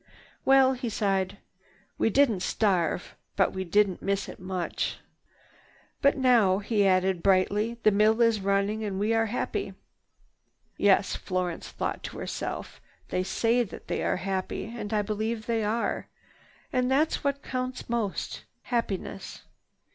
"Well," he sighed, "we didn't starve, but we didn't miss it much. "But now," he added brightly, "the mill is running and we are happy." "Yes," Florence thought to herself, "they say they are happy, and I believe they are. And that's what counts most—happiness."